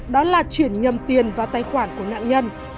đó là chuyển nhầm tiền vào tài khoản của nạn nhân